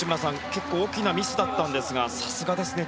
結構大きなミスだったんですがさすがですね。